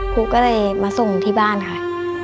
ครูก็เลยมาส่งที่บ้านค่ะ